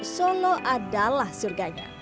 solo adalah surganya